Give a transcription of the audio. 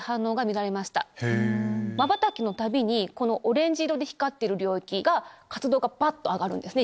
まばたきのたびにオレンジ色で光ってる領域が活動がばっと上がるんですね